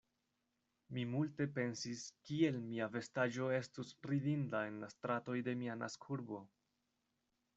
Mi multe pensis, kiel mia vestaĵo estus ridinda en la stratoj de mia naskurbo.